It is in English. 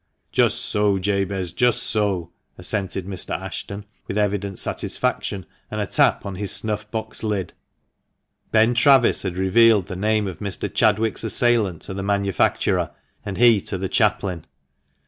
"Just so, Jabez — just so!" assented Mr. Ashton with evident satisfaction, and a tap on his snuff box lid. Ben Travis had revealed the name of Mr. Chadwick's assailant to the manufacturer, and he to the chaplain.